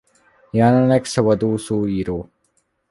Jelenleg szabadúszó író.